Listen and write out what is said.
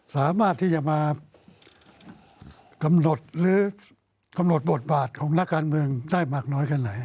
สามารถที่จะมากำหนดหรือกำหนดบทบาทของนักการเมืองได้มากน้อยแค่ไหน